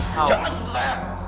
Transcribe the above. jangan sentuh saya